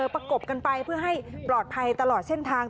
ประกบกันไปเพื่อให้ปลอดภัยตลอดเส้นทาง